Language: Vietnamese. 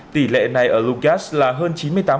tỷ lệ này ở lugas là hơn chín mươi tám